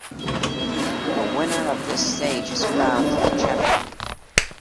The winner of this stage is crowned the champion.